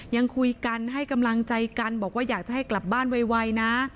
ยังคุยกันให้กำลังใจกันบอกว่าอยากจะให้กลับบ้านไวนะ